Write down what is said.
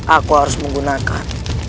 aku harus menggunakan